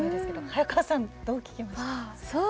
早川さん、どう聴きました？